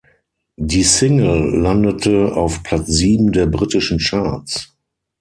Die Single landete auf Platz sieben der britischen Charts.